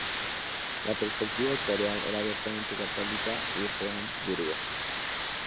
La perspectiva editorial era abiertamente católica y pro-Habsburgo.